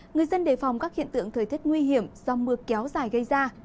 người dân đề phòng các hiện tượng thời tiết nguy hiểm do mưa kéo dài gây ra